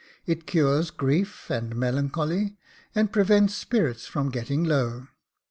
It cures grief and melancholy, and prevents spirits from getting low."